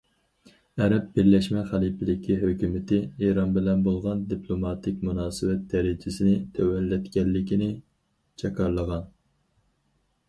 ئەرەب بىرلەشمە خەلىپىلىكى ھۆكۈمىتى ئىران بىلەن بولغان دىپلوماتىك مۇناسىۋەت دەرىجىسىنى تۆۋەنلەتكەنلىكىنى جاكارلىغان.